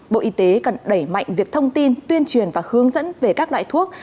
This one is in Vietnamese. bộ y tế cần đẩy mạnh việc thông tin tuyên truyền và hướng dẫn về các loại thuốc